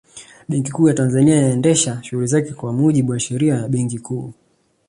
Benki Kuu ya Tanzania inaendesha shughuli zake kwa mujibu wa Sheria ya Benki Kuu